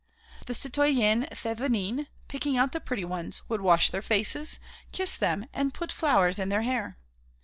The citoyenne Thévenin, picking out the pretty ones, would wash their faces, kiss them and put flowers in their hair.